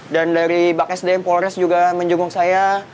dan dari bak sdm polres juga menjenguk saya